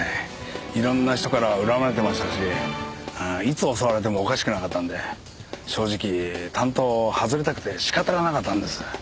いろんな人から恨まれてましたしいつ襲われてもおかしくなかったんで正直担当を外れたくて仕方がなかったんです。